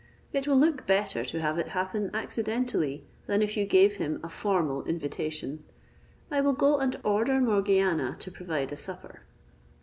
It will look better to have it happen accidentally, than if you gave him a formal invitation. I will go and order Morgiana to provide a supper."